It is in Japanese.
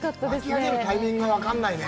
巻き上げるタイミングが分からないね？